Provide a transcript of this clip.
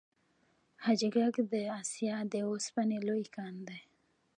حاجي ګک د اسیا د وسپنې لوی کان دی